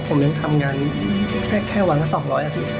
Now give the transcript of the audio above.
ผมยังทำงานแค่วันละ๒๐๐อาทิตย